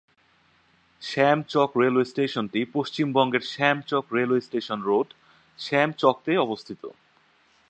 শ্যাম Chak railway স্টেশনটি পশ্চিমবঙ্গের Shyam Chak railway station road, Shyam Chak তে অবস্থিত।